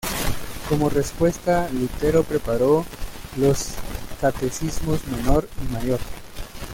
Como respuesta, Lutero preparó los Catecismos Menor y Mayor.